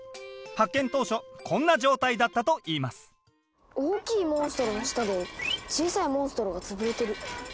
発見当初こんな状態だったといいます大きいモンストロの下で小さいモンストロが潰れてる。